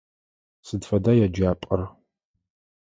Сыд фэда еджапӏэр?